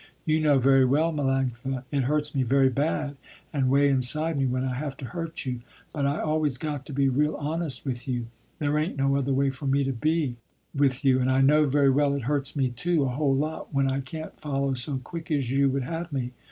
You know very well, Melanctha, it hurts me very bad and way inside me when I have to hurt you, but I always got to be real honest with you. There ain't no other way for me to be, with you, and I know very well it hurts me too, a whole lot, when I can't follow so quick as you would have me.